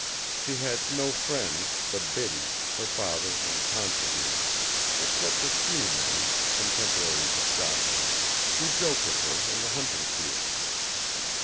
She had no friends but Biddy, her father and Considine, except a few men, contemporaries of Jocelyn, who joked with her in the hunting field.